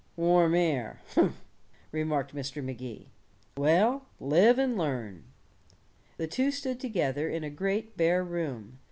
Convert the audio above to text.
"Warm air humph," remarked Mr. Magee. "Well, live and learn." The two stood together in a great bare room.